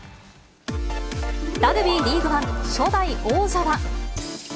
ラグビーリーグワン初代王者は。